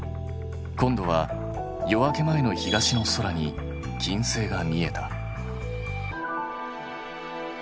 今度は夜明け前の東の空に金星が見えた。